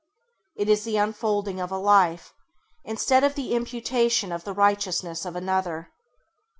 It is the unfolding of a life, instead of the imputation of the righteousness of another.